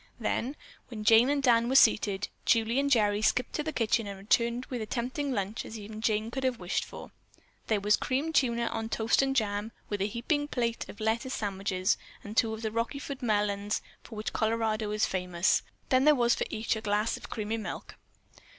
Then, when Jane and Dan were seated, Julie and Gerry skipped to the kitchen and returned with as tempting a lunch as even Jane could have wished for. There was creamed tuna on toast and jam and a heaping plate of lettuce sandwiches and two of the Rockyford melons for which Colorado is famous. Then there was for each a glass of creamy milk.